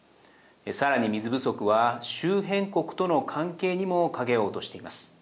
さらに水不足は周辺国との関係にも影を落としています。